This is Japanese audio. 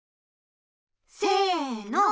せの！